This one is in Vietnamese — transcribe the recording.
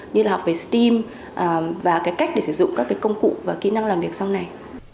như là học về steam và cái cách để sử dụng các cái công cụ và kỹ năng làm việc sau này